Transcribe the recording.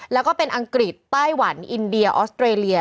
แล้วก็เป็นอังกฤษไต้หวันอินเดียออสเตรเลีย